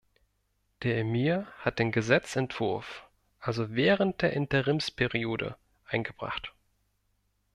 Der Emir hat den Gesetzentwurf also während der Interimsperiode eingebracht.